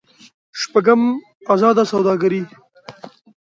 شپږم: ازاده سوداګري.